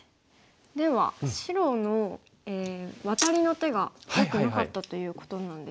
では白のワタリの手がよくなかったということなんでしょうか。